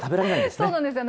そうなんですよね。